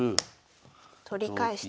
取り返して。